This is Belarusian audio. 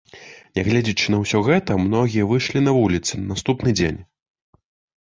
Нягледзячы на ўсё гэта, многія выйшлі на вуліцы на наступны дзень.